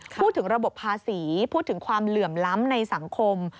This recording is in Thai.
พูดถึงระบบภาษีพูดถึงความเหลื่อมล้ำในสังคม